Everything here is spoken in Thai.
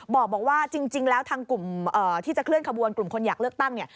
บอกว่าจริงแล้วทางกลุ่มที่จะเคลื่อนขบวนกลุ่มคนอยากเลือกตั้งเนี่ย